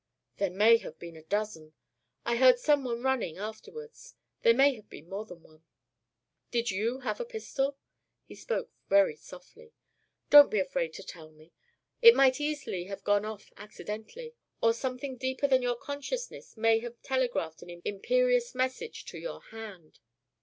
"There may have been a dozen. I heard some one running afterwards; there may have been more than one." "Did you have a pistol?" He spoke very softly. "Don't be afraid to tell me. It might easily have gone off accidentally or something deeper than your consciousness may have telegraphed an imperious message to your hand."